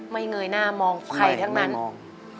ไม่เงยหน้ามองใครทั้งนั้นไม่ไม่มอง